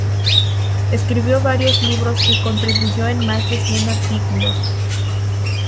Escribió varios libros, y contribuyó en más de cien Arts.